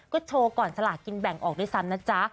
ก็โชว์ก่อนสลากินแบ่งออกด้วยซ้ำนะจ๊ะ